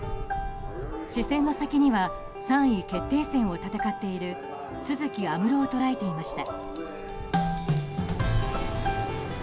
視線の先には３位決定戦を戦っている都筑有夢路を捉えていました。